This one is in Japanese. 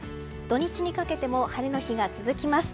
土日にかけても晴れの日が続きます。